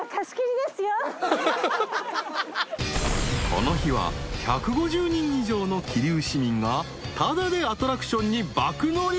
［この日は１５０人以上の桐生市民がタダでアトラクションに爆乗り］